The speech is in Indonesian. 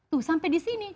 tuh sampai di sini